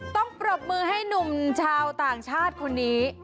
ปรบมือให้หนุ่มชาวต่างชาติคนนี้